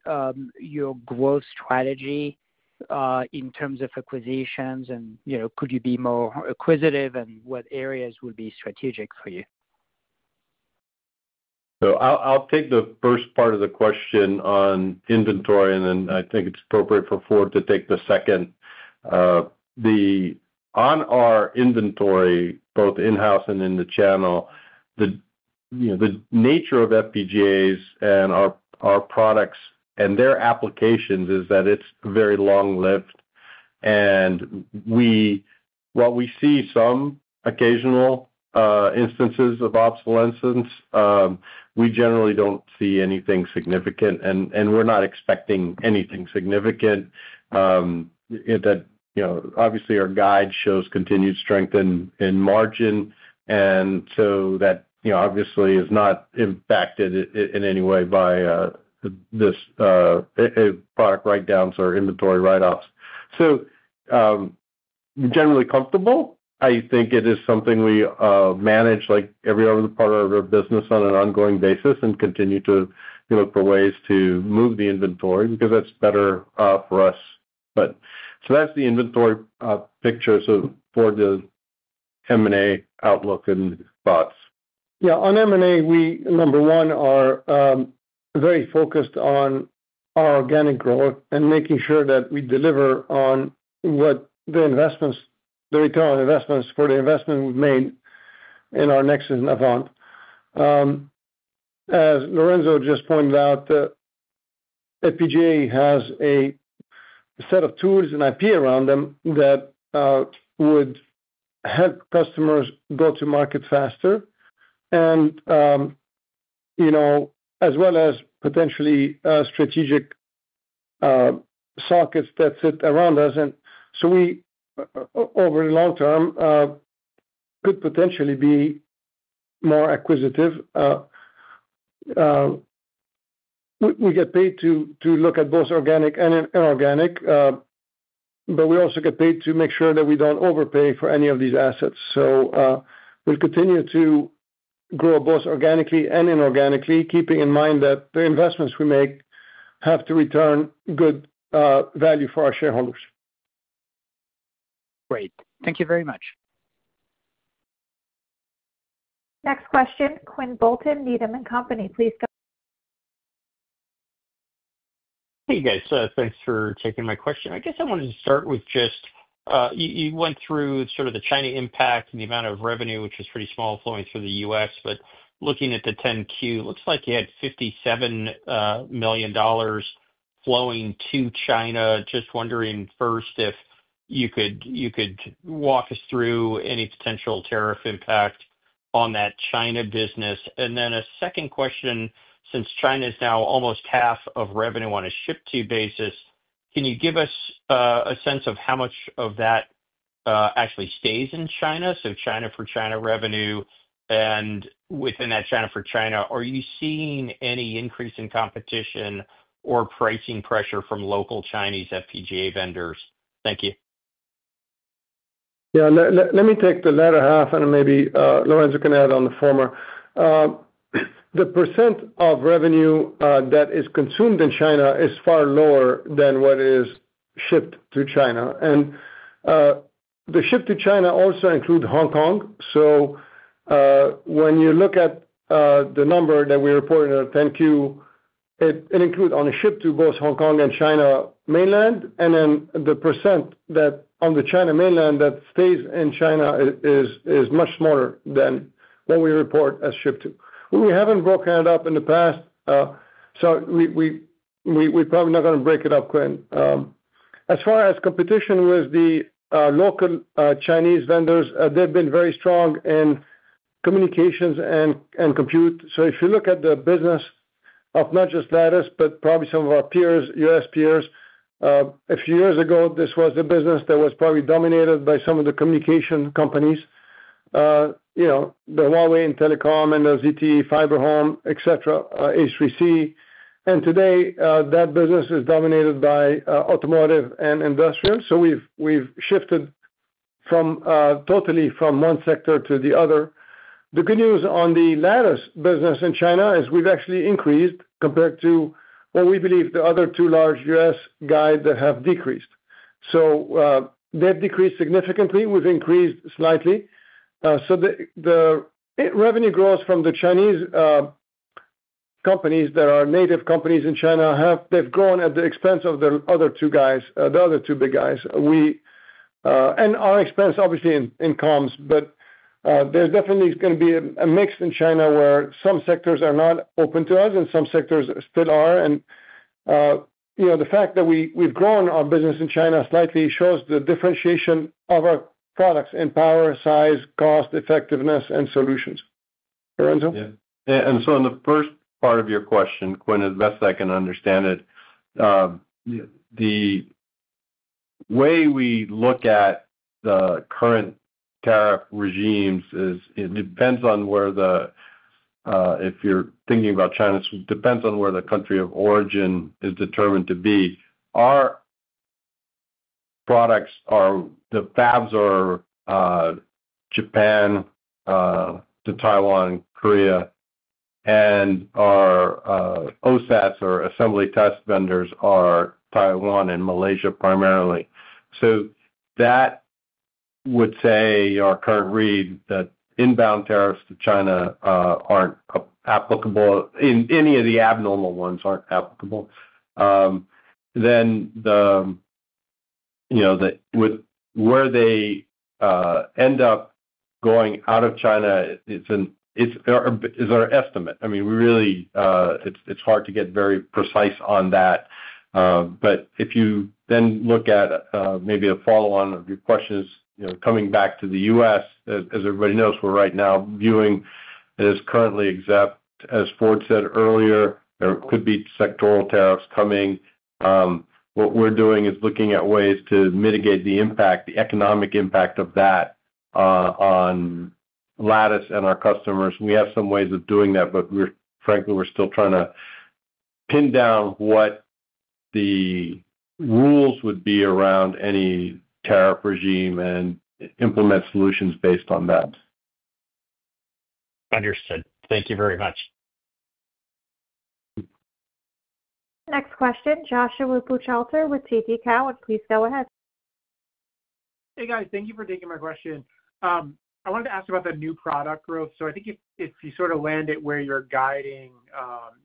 your growth strategy in terms of acquisitions? Could you be more acquisitive, and what areas will be strategic for you? I'll take the first part of the question on inventory, and then I think it's appropriate for Ford to take the second. On our inventory, both in-house and in the channel, the nature of FPGAs and our products and their applications is that it's very long-lived. While we see some occasional instances of obsolescence, we generally don't see anything significant. We're not expecting anything significant. Obviously, our guide shows continued strength in margin. That obviously is not impacted in any way by product write-downs or inventory write-offs. We're generally comfortable. I think it is something we manage like every other part of our business on an ongoing basis and continue to look for ways to move the inventory because that's better for us. That's the inventory picture for the M&A outlook and thoughts. Yeah. On M&A, we, number one, are very focused on our organic growth and making sure that we deliver on what the return on investments for the investment we've made in our Nexus and Avant. As Lorenzo just pointed out, the FPGA has a set of tools and IP around them that would help customers go to market faster, as well as potentially strategic sockets that sit around us. We, over the long term, could potentially be more acquisitive. We get paid to look at both organic and inorganic, but we also get paid to make sure that we don't overpay for any of these assets. We'll continue to grow both organically and inorganically, keeping in mind that the investments we make have to return good value for our shareholders. Great. Thank you very much. Next question, Quinn Bolton, Needham & Company. Please go. Hey, guys. Thanks for taking my question. I guess I wanted to start with just you went through sort of the China impact and the amount of revenue, which is pretty small flowing through the U.S. But looking at the 10Q, it looks like you had $57 million flowing to China. Just wondering first if you could walk us through any potential tariff impact on that China business. Then a second question, since China is now almost half of revenue on a ship-to basis, can you give us a sense of how much of that actually stays in China? So China for China revenue. Within that China for China, are you seeing any increase in competition or pricing pressure from local Chinese FPGA vendors? Thank you. Yeah. Let me take the latter half, and maybe Lorenzo can add on the former. The % of revenue that is consumed in China is far lower than what is shipped to China. The ship-to-China also includes Hong Kong. When you look at the number that we reported in our 10Q, it includes on a ship-to both Hong Kong and China mainland. The percent that on the China mainland that stays in China is much smaller than what we report as ship-to. We haven't broken it up in the past, so we're probably not going to break it up, Quinn. As far as competition with the local Chinese vendors, they've been very strong in communications and compute. If you look at the business of not just Lattice, but probably some of our US peers, a few years ago, this was the business that was probably dominated by some of the communication companies, the Huawei and Telecom and the ZTE, FiberHome, H3C. Today, that business is dominated by automotive and industrial. We have shifted totally from one sector to the other. The good news on the Lattice business in China is we have actually increased compared to, well, we believe the other two large U.S. guys that have decreased. They have decreased significantly. We have increased slightly. The revenue growth from the Chinese companies that are native companies in China, they have grown at the expense of the other two guys, the other two big guys. Our expense, obviously, in comms. There is definitely going to be a mix in China where some sectors are not open to us and some sectors still are. The fact that we've grown our business in China slightly shows the differentiation of our products in power, size, cost, effectiveness, and solutions. Lorenzo? Yeah. In the first part of your question, Quinn, as best I can understand it, the way we look at the current tariff regimes is it depends on where the, if you're thinking about China, it depends on where the country of origin is determined to be. Our products are, the fabs are Japan, Taiwan, Korea, and our OSATs or assembly test vendors are Taiwan and Malaysia primarily. That would say our current read that inbound tariffs to China aren't applicable. Any of the abnormal ones aren't applicable. Where they end up going out of China is our estimate. I mean, really, it's hard to get very precise on that. If you then look at maybe a follow-on of your questions, coming back to the U.S., as everybody knows, we're right now viewing is currently exempt. As Ford said earlier, there could be sectoral tariffs coming. What we're doing is looking at ways to mitigate the economic impact of that on Lattice and our customers. We have some ways of doing that, but frankly, we're still trying to pin down what the rules would be around any tariff regime and implement solutions based on that. Understood. Thank you very much. Next question, Joshua Buchalter with TD Cowen. Please go ahead. Hey, guys. Thank you for taking my question. I wanted to ask about the new product growth. I think if you sort of land it where you're guiding,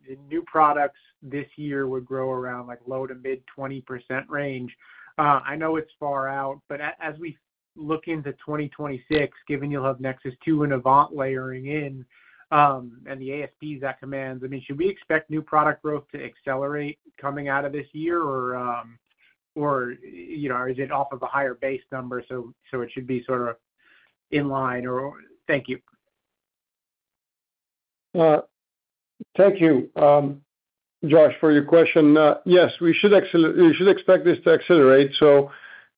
the new products this year would grow around low to mid-20% range. I know it's far out, but as we look into 2026, given you'll have Nexus 2 and Avant layering in and the ASPs that command, I mean, should we expect new product growth to accelerate coming out of this year, or is it off of a higher base number? It should be sort of in line or thank you. Thank you, Josh, for your question. Yes, we should expect this to accelerate.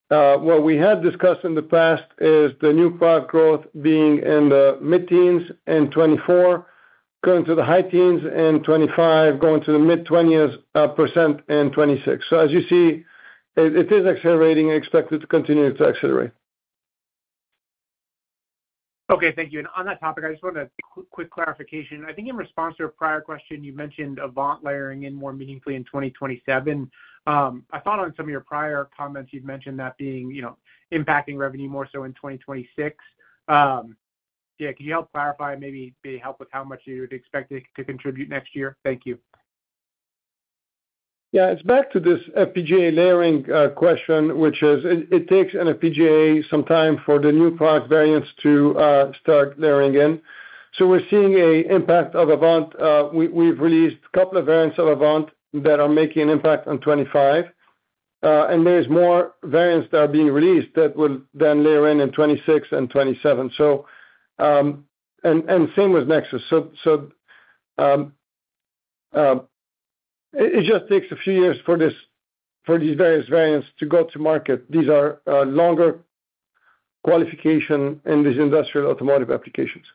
What we had discussed in the past is the new product growth being in the mid-teens in 2024, going to the high teens in 2025, going to the mid-20% in 2026. As you see, it is accelerating and expected to continue to accelerate. Okay. Thank you. On that topic, I just wanted a quick clarification. I think in response to a prior question, you mentioned Avant layering in more meaningfully in 2027. I thought on some of your prior comments, you've mentioned that being impacting revenue more so in 2026. Yeah. Could you help clarify and maybe help with how much you would expect it to contribute next year? Thank you. Yeah. It is back to this FPGA layering question, which is it takes an FPGA some time for the new product variants to start layering in. We are seeing an impact of Avant. We have released a couple of variants of Avant that are making an impact on 2025. There are more variants that are being released that will then layer in in 2026 and 2027. Same with Nexus. It just takes a few years for these various variants to go to market. These are longer qualifications in these industrial automotive applications.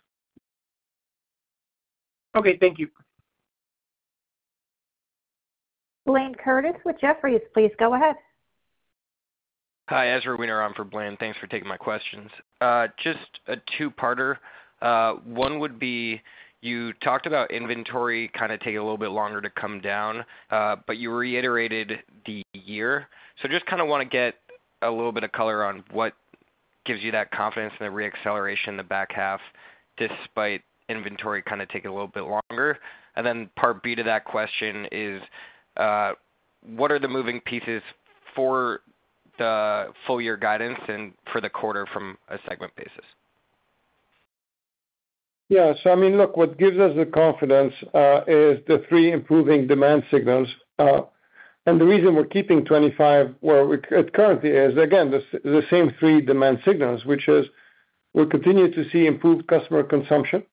Okay. Thank you. Blaine Curtis with Jefferies. Please go ahead. Hi, Ezra Weener. I'm from Baird. Thanks for taking my questions. Just a two-parter. One would be you talked about inventory kind of taking a little bit longer to come down, but you reiterated the year. Just kind of want to get a little bit of color on what gives you that confidence in the reacceleration in the back half despite inventory kind of taking a little bit longer. Part B to that question is, what are the moving pieces for the full-year guidance and for the quarter from a segment basis? Yeah. I mean, look, what gives us the confidence is the three improving demand signals. The reason we're keeping 2025 where it currently is, again, the same three demand signals, which is we'll continue to see improved customer consumption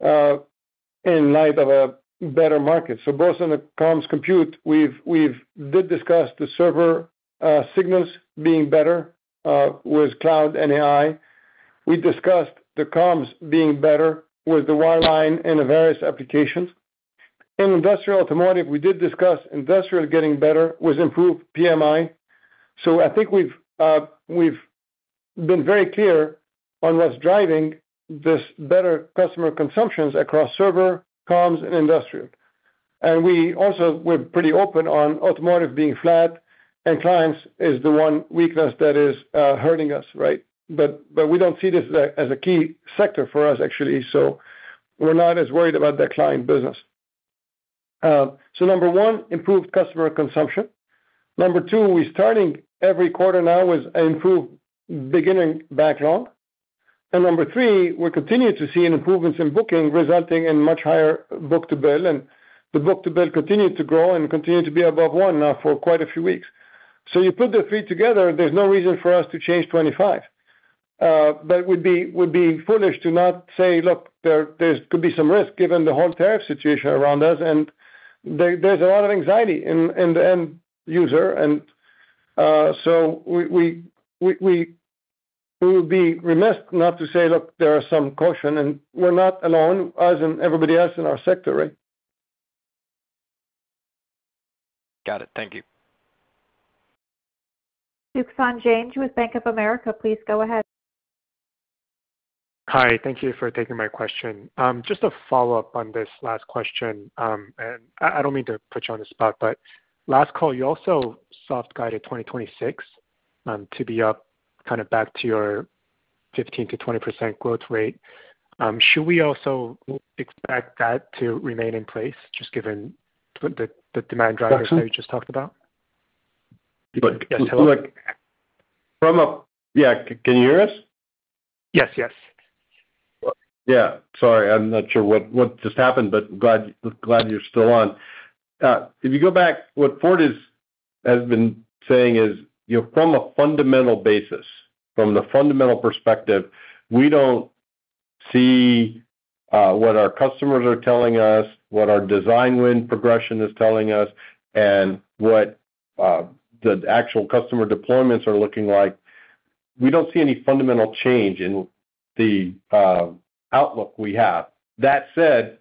in light of a better market. Both in the comms compute, we did discuss the server signals being better with cloud and AI. We discussed the comms being better with the wireline in the various applications. In industrial automotive, we did discuss industrial getting better with improved PMI. I think we've been very clear on what's driving this better customer consumption across server, comms, and industrial. We're pretty open on automotive being flat, and Client is the one weakness that is hurting us, right? We do not see this as a key sector for us, actually. We're not as worried about that Client business. Number one, improved customer consumption. Number two, we're starting every quarter now with improved beginning backlog. Number three, we're continuing to see improvements in booking resulting in much higher book-to-bill. The book-to-bill continued to grow and continue to be above one now for quite a few weeks. You put the three together, there's no reason for us to change 2025. It would be foolish to not say, "Look, there could be some risk given the whole tariff situation around us." There's a lot of anxiety in the end user. We would be remiss not to say, "Look, there are some caution." We're not alone, as in everybody else in our sector, right? Got it. Thank you. Duksan Jang with Bank of America. Please go ahead. Hi. Thank you for taking my question. Just a follow-up on this last question. I don't mean to put you on the spot, but last call, you also soft-guided 2026 to be up kind of back to your 15%-20% growth rate. Should we also expect that to remain in place just given the demand drivers that you just talked about? Yes. From a—yeah. Can you hear us? Yes. Yes. Yeah. Sorry. I'm not sure what just happened, but glad you're still on. If you go back, what Ford has been saying is from a fundamental basis, from the fundamental perspective, we don't see what our customers are telling us, what our design win progression is telling us, and what the actual customer deployments are looking like. We don't see any fundamental change in the outlook we have. That said,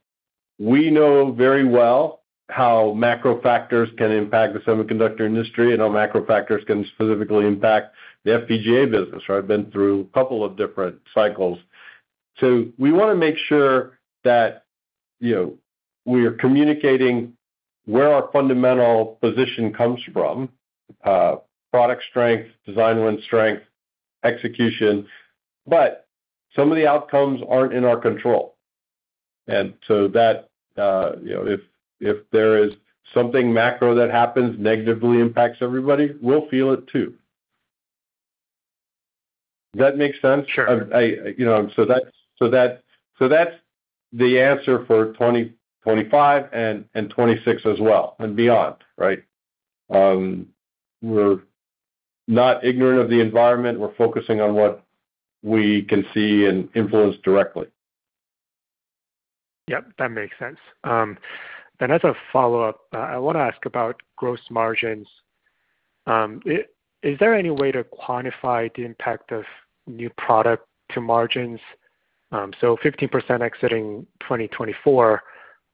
we know very well how macro factors can impact the semiconductor industry and how macro factors can specifically impact the FPGA business, right? I've been through a couple of different cycles. We want to make sure that we are communicating where our fundamental position comes from: product strength, design win strength, execution. Some of the outcomes aren't in our control. If there is something macro that happens negatively impacts everybody, we'll feel it too. Does that make sense? Sure. That's the answer for 2025 and 2026 as well and beyond, right? We're not ignorant of the environment. We're focusing on what we can see and influence directly. Yep. That makes sense. As a follow-up, I want to ask about gross margins. Is there any way to quantify the impact of new product to margins? 15% exiting 2024,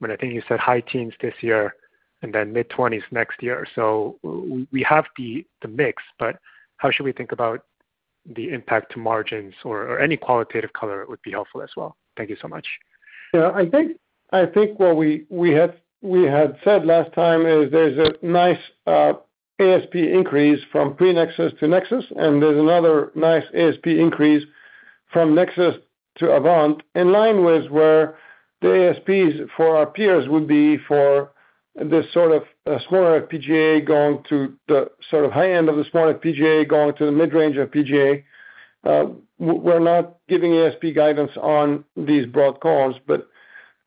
but I think you said high teens this year and then mid-20s next year. We have the mix, but how should we think about the impact to margins or any qualitative color? It would be helpful as well. Thank you so much. Yeah. I think what we had said last time is there's a nice ASP increase from pre-Nexus to Nexus, and there's another nice ASP increase from Nexus to Avant in line with where the ASPs for our peers would be for this sort of smaller FPGA going to the sort of high end of the smaller FPGA going to the mid-range FPGA. We're not giving ASP guidance on these broad comms, but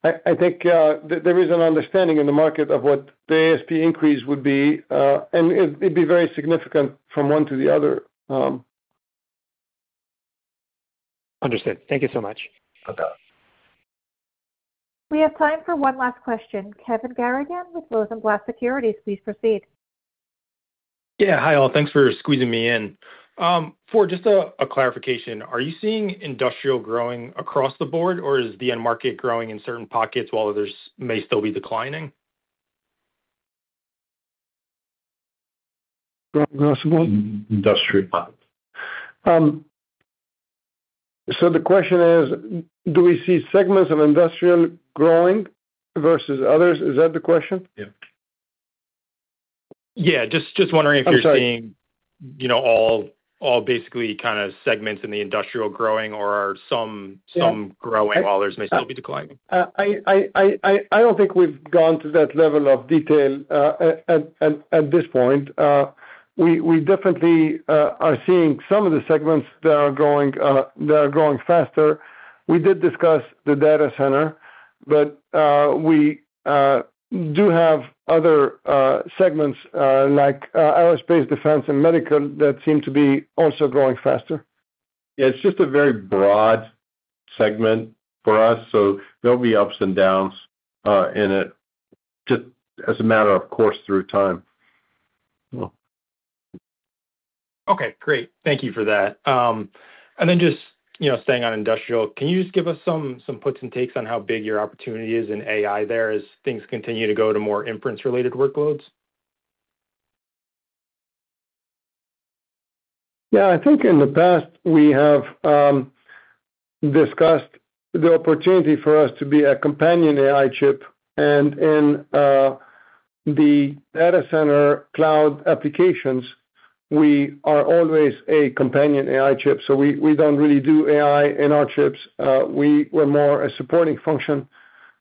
I think there is an understanding in the market of what the ASP increase would be, and it'd be very significant from one to the other. Understood. Thank you so much. No problem. We have time for one last question. Kevin Garrigan with Rosenblatt Securities, please proceed. Yeah. Hi, all. Thanks for squeezing me in. Ford, just a clarification. Are you seeing industrial growing across the board, or is the end market growing in certain pockets while others may still be declining? Industrial. The question is, do we see segments of industrial growing versus others? Is that the question? Yeah. Yeah. Just wondering if you're seeing all basically kind of segments in the industrial growing, or are some growing while others may still be declining? I don't think we've gone to that level of detail at this point. We definitely are seeing some of the segments that are growing faster. We did discuss the data center, but we do have other segments like aerospace, defense, and medical that seem to be also growing faster. Yeah. It's just a very broad segment for us. There'll be ups and downs in it as a matter of course through time. Okay. Great. Thank you for that. Just staying on industrial, can you just give us some puts and takes on how big your opportunity is in AI there as things continue to go to more inference-related workloads? Yeah. I think in the past, we have discussed the opportunity for us to be a companion AI chip. In the data center cloud applications, we are always a companion AI chip. We do not really do AI in our chips. We are more a supporting function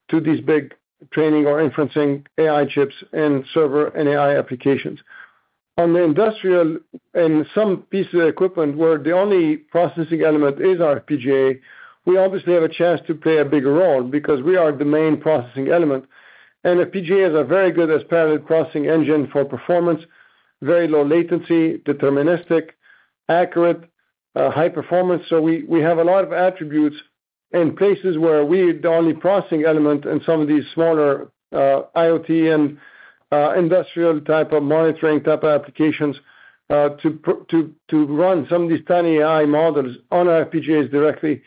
to these big training or inferencing AI chips in server and AI applications. On the industrial and some pieces of equipment where the only processing element is our FPGA, we obviously have a chance to play a bigger role because we are the main processing element. FPGAs are very good as a parallel processing engine for performance, very low latency, deterministic, accurate, high performance. We have a lot of attributes in places where we're the only processing element in some of these smaller IoT and industrial type of monitoring type of applications to run some of these tiny AI models on our FPGAs directly.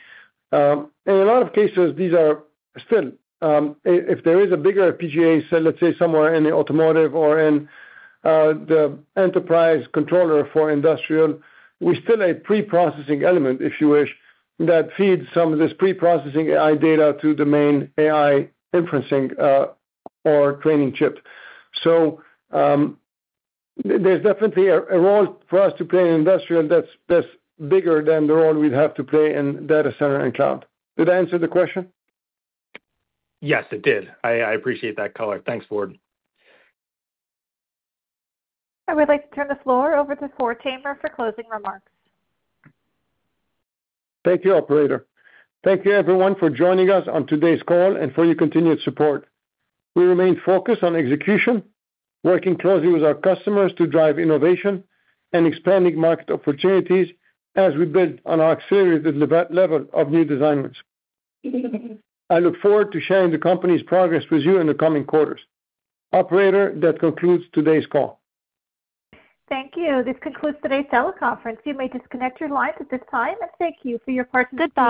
In a lot of cases, these are still, if there is a bigger FPGA, say, let's say somewhere in the automotive or in the enterprise controller for industrial, we still have a pre-processing element, if you wish, that feeds some of this pre-processing AI data to the main AI inferencing or training chip. There's definitely a role for us to play in industrial that's bigger than the role we'd have to play in data center and cloud. Did I answer the question? Yes, it did. I appreciate that color. Thanks, Ford. I would like to turn the floor over to Ford Tamer for closing remarks. Thank you, Operator. Thank you, everyone, for joining us on today's call and for your continued support. We remain focused on execution, working closely with our customers to drive innovation and expanding market opportunities as we build on our accelerated level of new designs. I look forward to sharing the company's progress with you in the coming quarters. Operator, that concludes today's call. Thank you. This concludes today's teleconference. You may disconnect your lines at this time. Thank you for your partnership.